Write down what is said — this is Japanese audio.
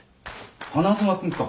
花妻君か。